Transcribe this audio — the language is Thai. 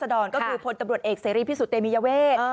ก็คือผลตบรวจเอกสพสเทมยาเวก